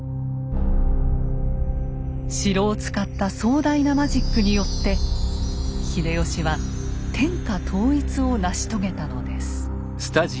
城を使った壮大なマジックによって秀吉は天下統一を成し遂げたのです。